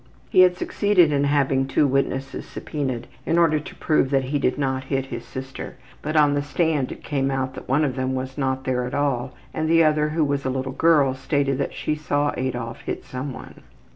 He had succeeded in having two witnesses subpoenaed in order to prove that he did not hit his sister, but on the stand it came out that one of them was not there at all, and the other, who was a little girl, stated that she saw Adolf hit some one.